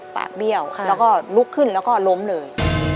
เบี้ยวแล้วก็ลุกขึ้นแล้วก็ล้มเลย